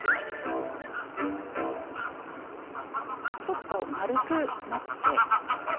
ちょっとまるくなって。